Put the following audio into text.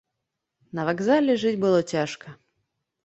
На вакзале жыць было цяжка.